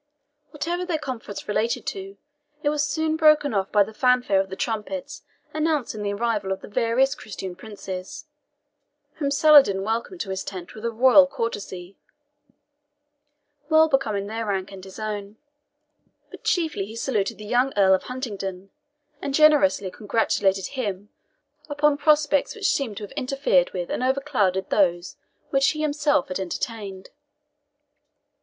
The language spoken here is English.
Whatever their conference related to, it was soon broken off by the fanfare of the trumpets announcing the arrival of the various Christian princes, whom Saladin welcomed to his tent with a royal courtesy well becoming their rank and his own; but chiefly he saluted the young Earl of Huntingdon, and generously congratulated him upon prospects which seemed to have interfered with and overclouded those which he had himself entertained.